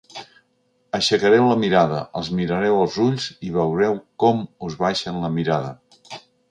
Aixecareu la mirada, els mirareu als ulls i veureu com us baixen la mirada.